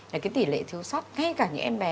cái tỷ lệ thiếu sắt ngay cả những em bé